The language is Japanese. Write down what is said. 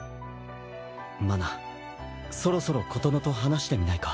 麻奈そろそろ琴乃と話してみないか？